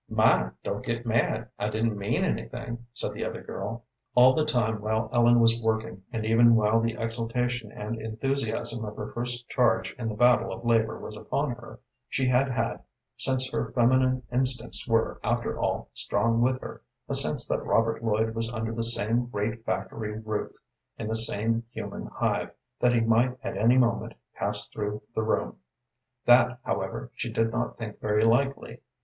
"My, don't get mad. I didn't mean anything," said the other girl. All the time while Ellen was working, and even while the exultation and enthusiasm of her first charge in the battle of labor was upon her, she had had, since her feminine instincts were, after all, strong with her, a sense that Robert Lloyd was under the same great factory roof, in the same human hive, that he might at any moment pass through the room. That, however, she did not think very likely.